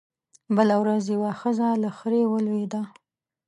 بله ورځ يوه ښځه له خرې ولوېده